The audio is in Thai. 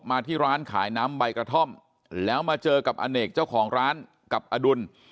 ที่ร้านขายน้ำใบกระท่อมแล้วมาเจอกับอเนกเจ้าของร้านกับอดุล